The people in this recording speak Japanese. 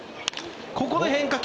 ここで変化球。